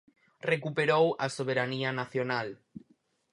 Recuperou a soberanía nacional.